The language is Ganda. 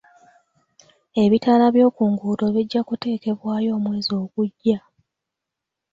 Ebitaala by'oku nguudo bijja kuteekebwayo omwezi ogujja.